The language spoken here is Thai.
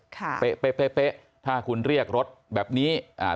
เป๊ะเป๊ะเป๊ะถ้าคุณเรียกรถแบบนี้อ่า